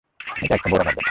এটা একটা বড় মর্যাদা।